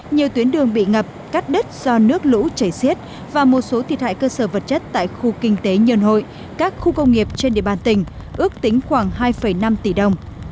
nhiều tuyến đường bị ngập cắt đất do nước lũ chảy xiết và một số thiệt hại cơ sở vật chất tại khu kinh tế nhân hội các khu công nghiệp trên địa bàn tỉnh ước tính khoảng hai năm tỷ đồng